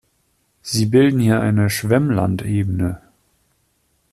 Sie bilden hier eine Schwemmlandebene.